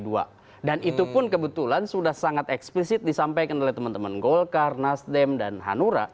dan itu pun kebetulan sudah sangat eksplisit disampaikan oleh teman teman golkar nasdem dan hanura